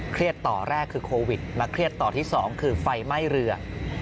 ต่อแรกคือโควิดมาเครียดต่อที่๒คือไฟไหม้เรือ